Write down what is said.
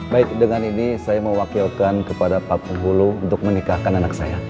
baik dengan ini saya mewakilkan kepada pak penghulu untuk menikahkan anak saya